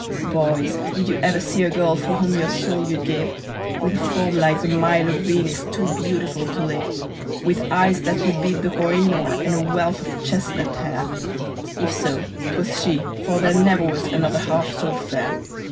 "Boys, did you ever see a girl for whom your soul you'd give, With a form like the Milo Venus, too beautiful to live; With eyes that would beat the Koh i noor, and a wealth of chestnut hair? If so, 'twas she, for there never was another half so fair.